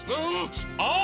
あっ！